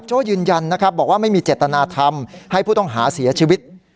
พจยืนยันไม่มีเจษนาธรรมให้ผู้ต้องหาเสียชีวิต